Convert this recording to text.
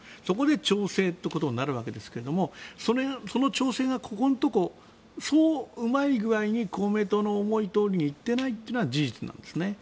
そこで調整ってことになるんですけどその調整がここのところそううまい具合に公明党の思いどおりにいっていないというのは事実なんです。